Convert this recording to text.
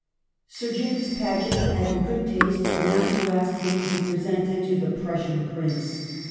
"Sir James Paget had the good taste not to ask me to be presented to the Prussian Prince.